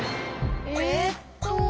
えっと。